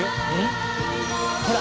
ほら。